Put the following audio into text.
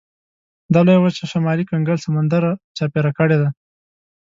دا لویه وچه شمالي کنګل سمندر چاپېره کړې ده.